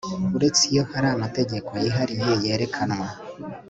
uretse iyo hari amategeko yihariye yerekanwa